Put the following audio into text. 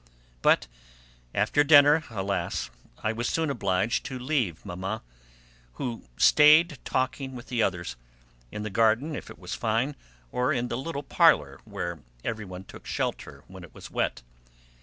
But after dinner, alas, I was soon obliged to leave Mamma, who stayed talking with the others, in the garden if it was fine, or in the little parlour where everyone took shelter when it was wet.